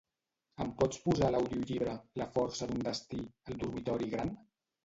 Em pots posar l'audiollibre "La força d'un destí" al dormitori gran?